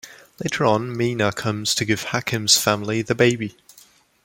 Later on, Meena comes to give Hakim's family the baby.